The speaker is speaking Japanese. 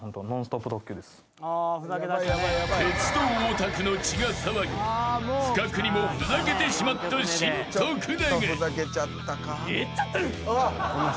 ［鉄道オタクの血が騒ぎ不覚にもふざけてしまったシン・徳永］